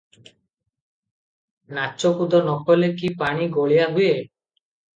ନାଚକୁଦ ନ କଲେ କି ପାଣି ଗୋଳିଆ ହୁଏ?